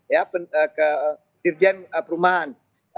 ya ke dirjen perumahan